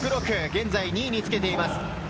現在２位につけています。